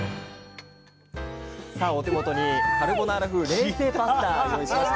さあお手元にカルボナーラ風冷製パスタ用意しました。